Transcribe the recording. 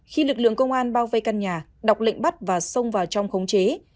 khi lực lượng công an bao vây căn nhà đọc lệnh bắt và xông vào trong khống chế